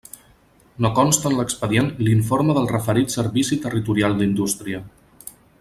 No consta en l'expedient l'informe del referit Servici Territorial d'Indústria.